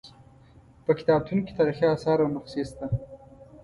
په کتابتون کې تاریخي اثار او نقشې شته.